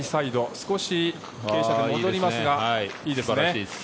少し傾斜で戻りますがいいですね。